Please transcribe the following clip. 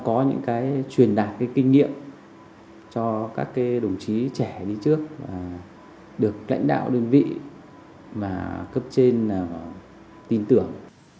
có những cái truyền đạt cái kinh nghiệm cho các cái đồng chí trẻ đi trước và được lãnh đạo đơn vị mà cấp trên là tin tưởng